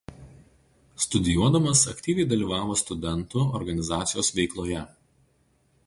Studijuodamas aktyviai dalyvavo studentų organizacijos veikloje.